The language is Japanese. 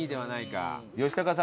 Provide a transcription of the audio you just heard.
吉高さん